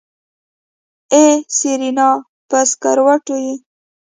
ای سېرېنا په سکروټو يې.